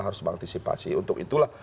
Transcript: harus mengantisipasi untuk itulah